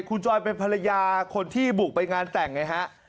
คุณจอยเป็นภรรยาคนที่บุกไปงานแต่งไงฮะ